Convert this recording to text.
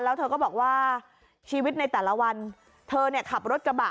แล้วเธอก็บอกว่าชีวิตในแต่ละวันเธอเนี่ยขับรถกระบะ